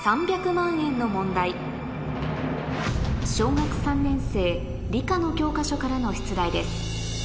小学３年生理科の教科書からの出題です